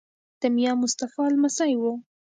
د میا مصطفی لمسی وو.